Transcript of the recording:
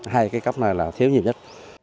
hai cái cấp này là thiếu nhiều nhất